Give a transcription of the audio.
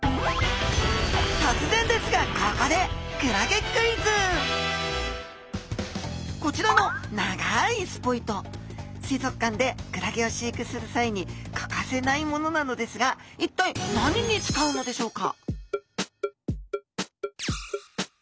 とつぜんですがここでこちらの水族館でクラゲを飼育する際に欠かせないものなのですがいったい何に使うのでしょうか？